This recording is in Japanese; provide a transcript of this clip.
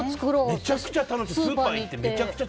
めちゃくちゃ楽しいよスーパー行って。